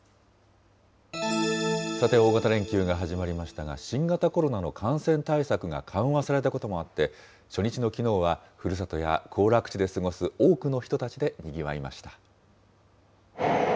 さて、大型連休が始まりましたが、新型コロナの感染対策が緩和されたこともあって、初日のきのうは、ふるさとや行楽地で過ごす多くの人たちでにぎわいました。